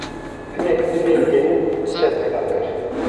Hinek libên genim li ser belav kir.